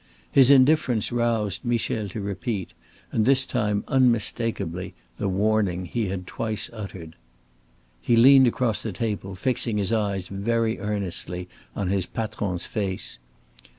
His indifference roused Michel to repeat, and this time unmistakably, the warning he had twice uttered. He leaned across the table, fixing his eyes very earnestly on his patron's face.